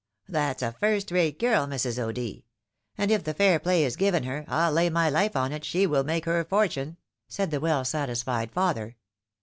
" That's a first rate girl, Mrs. O'D. ; and if fair play is given her, I'll lay my fife on it, she will make her fortune," said the well satisfied father.